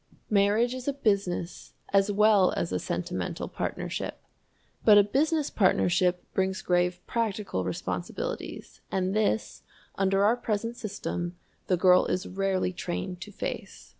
Marriage is a business as well as a sentimental partnership. But a business partnership brings grave practical responsibilities, and this, under our present system, the girl is rarely trained to face.